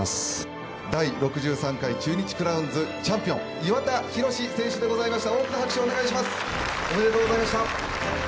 第６３回中日クラウンズチャンピオン・岩田寛選手でした。